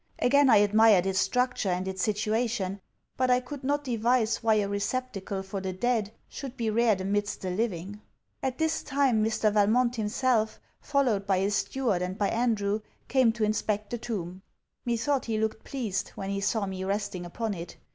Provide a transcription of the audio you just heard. Again I admired its structure and its situation; but I could not devise why a receptacle for the dead should be reared amidst the living. At this time Mr. Valmont himself, followed by his steward and by Andrew, came to inspect the tomb. Methought he looked pleased, when he saw me resting upon it.